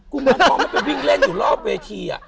กุมารทองมันไปวิ่งเล่นอยู่รอบเวที